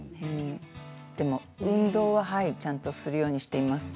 でも運動はちゃんとするようにはしています。